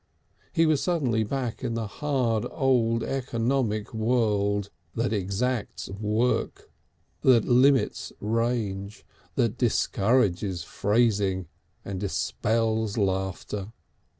He was suddenly back in the hard old economic world, that exacts work, that limits range, that discourages phrasing and dispels laughter.